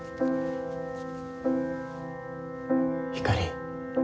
ひかり。